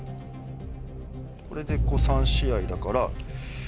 これで３試合だから。